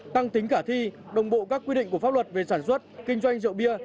tăng tính khả thi đồng bộ các quy định của pháp luật về sản xuất kinh doanh rượu bia